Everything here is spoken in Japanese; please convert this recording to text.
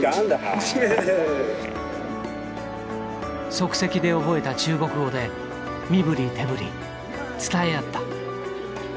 即席で覚えた中国語で身振り手振り伝え合った。